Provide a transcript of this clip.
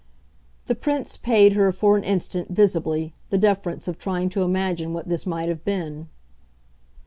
The Prince paid her for an instant, visibly, the deference of trying to imagine what this might have been.